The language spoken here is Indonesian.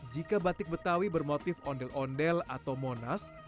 jika batik betawi bermotif ondel ondel atau monas